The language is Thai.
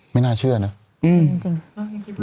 ไม่น่าเชื่อนะ